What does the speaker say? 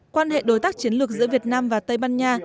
quan hệ đối tác chiến lược giữa việt nam và tây ban nha